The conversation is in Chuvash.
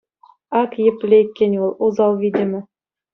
Ак епле иккен вӑл, усал витӗмӗ.